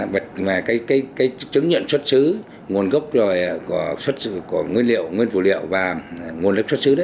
và cái chứng nhận xuất xứ nguồn gốc rồi của nguyên liệu nguyên phủ liệu và nguồn lực xuất xứ đấy